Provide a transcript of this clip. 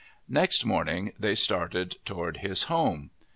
Next morning they started toward his home.